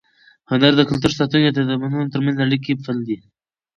هنر د کلتور ساتونکی او د تمدنونو تر منځ د اړیکې پُل دی.